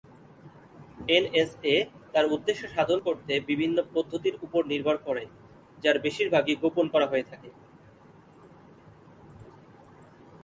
N S A তার উদ্দেশ্য সাধন করতে বিভিন্ন পদ্ধতির উপর নির্ভর করে যার বেশিরভাগই গোপন করা হয়ে থাকে।